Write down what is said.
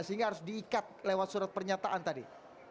sehingga harus diikat lewat surat pernyataan tadi